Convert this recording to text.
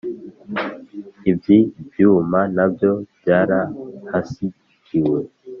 Iby’ibyuma nabyo byarahasigiwe